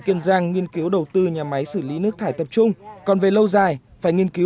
kiên giang nghiên cứu đầu tư nhà máy xử lý nước thải tập trung còn về lâu dài phải nghiên cứu